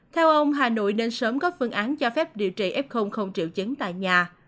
theo ông hà nội nên sớm có phương án cho phép điều trị f không triệu chứng tại nhà